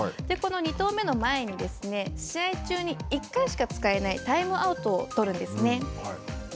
この２投目の前に試合中に１回しか使えないタイムアウトを取るんですね。